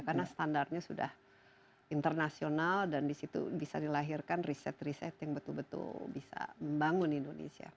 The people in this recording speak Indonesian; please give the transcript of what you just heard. karena standarnya sudah internasional dan di situ bisa dilahirkan riset riset yang betul betul bisa membangun indonesia